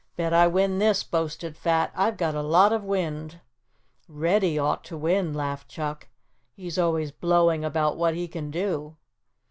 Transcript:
"Bet I win this," boasted Fat, "I've got a lot of wind." "Reddy ought to win," laughed Chuck, "he's always blowing about what he can do."